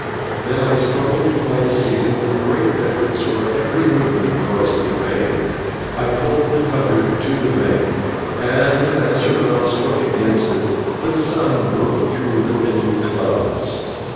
Then I struggled from my seat, and with great efforts, for every moment caused me pain, I pulled the cutter to the bank, and as her bows struck against it, the sun broke through the thinning clouds.